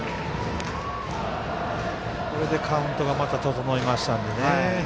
これでカウントがまた整いましたんでね。